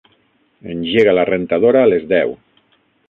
Engega la rentadora a les deu.